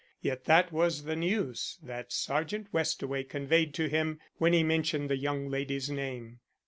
Yet that was the news that Sergeant Westaway conveyed to him when he mentioned the young lady's name.